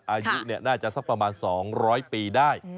อายุน่าจะสักประมาณ๒๐๐ปีได้